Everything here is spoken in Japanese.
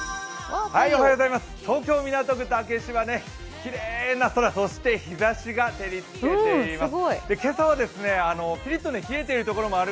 東京・港区竹芝はきれいな空、そして日ざしが照りつけています。